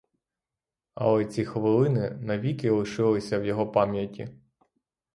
Але ці хвилини навіки лишилися в його пам'яті.